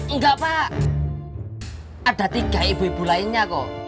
enggak pak ada tiga ibu ibu lainnya kok